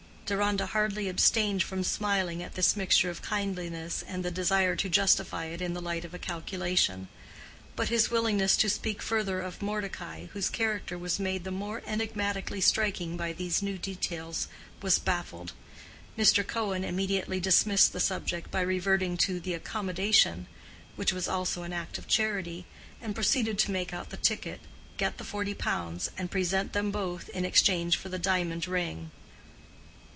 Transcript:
Deronda hardly abstained from smiling at this mixture of kindliness and the desire to justify it in the light of a calculation; but his willingness to speak further of Mordecai, whose character was made the more enigmatically striking by these new details, was baffled. Mr. Cohen immediately dismissed the subject by reverting to the "accommodation," which was also an act of charity, and proceeded to make out the ticket, get the forty pounds, and present them both in exchange for the diamond ring.